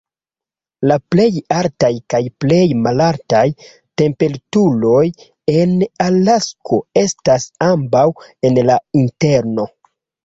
La plej altaj kaj plej malaltaj temperaturoj en Alasko estas ambaŭ en la Interno.